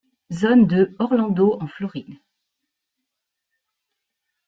Zone de Orlando en Floride.